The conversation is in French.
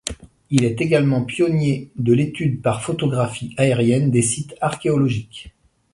Il est également pionnier de l’étude par photographie aérienne des sites archéologiques.